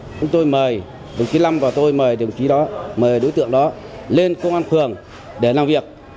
chúng tôi mời đồng chí lâm vào tôi mời đồng chí đó mời đối tượng đó lên công an phường để làm việc